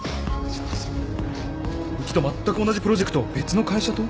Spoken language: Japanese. うちとまったく同じプロジェクトを別の会社と？